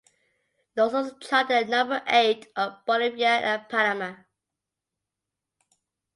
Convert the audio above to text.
It also charted at number eight on Bolivia and Panama.